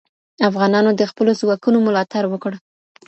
افغانانو د خپلو ځواکونو ملاتړ وکړ.